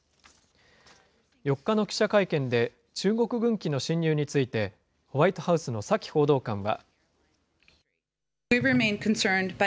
４日の記者会見で、中国軍機の進入について、ホワイトハウスのサキ報道官は。